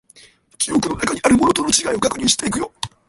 記憶の中にあるものとの違いを確認していく